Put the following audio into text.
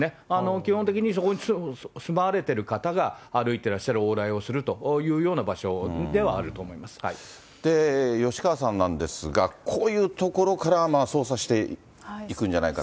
基本的にそこに住まわれている方が歩いていらっしゃる、往来をするというような場所ではあると思で、吉川さんなんですが、こういうところから捜査していくんじゃないかと。